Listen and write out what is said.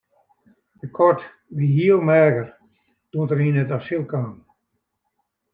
De kat wie heel meager doe't er yn it asyl kaam.